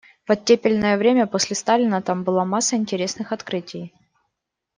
В оттепельное время, после Сталина – там была масса интересных открытий.